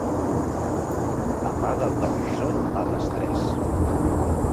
Apaga el televisor a les tres.